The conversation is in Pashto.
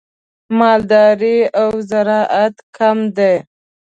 مالداري او زراعت کم دي.